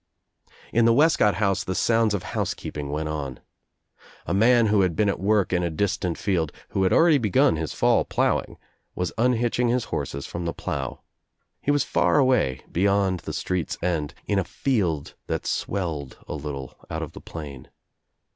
In the Wescott house the sounds of housekeeping went on. A man who had been at work in a distant field, who had already begun his fall plowing, was unhitching his horses from the plow. He was far away, beyond the street's end, in a field that swelled a little out of the plain.